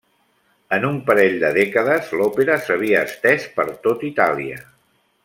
En un parell de dècades, l'òpera s'havia estès per tot Itàlia.